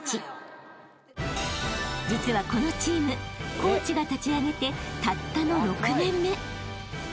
［実はこのチームコーチが立ち上げてたったの６年目］